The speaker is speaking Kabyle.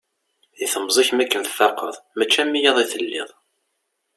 Di temẓi-k mi akken tfaqeḍ, mačči am wiyaḍ ay telliḍ.